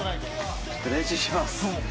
ちょっと練習します。